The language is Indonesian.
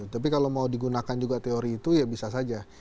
tapi kalau mau digunakan juga teori itu ya bisa saja